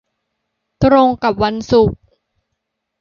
ตรงกับวันศุกร์